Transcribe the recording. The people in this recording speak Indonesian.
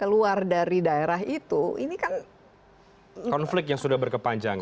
keluar dari daerah itu ini kan konflik yang sudah berkepanjangan